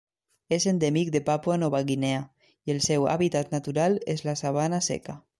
És endèmic de Papua Nova Guinea i el seu hàbitat natural és la sabana seca.